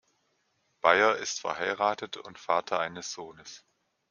Beyer ist verheiratet und Vater eines Sohnes.